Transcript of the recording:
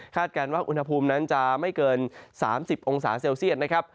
การว่าอุณหภูมินั้นจะไม่เกิน๓๐องศาเซลเซียตนะครับ